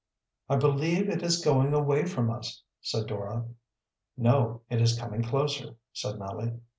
"I believe it is going away from us," said Dora. "No, it is coming closer," said Nellie.